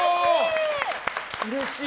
うれしい！